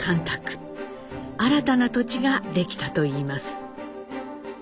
新たな土地ができたといいます。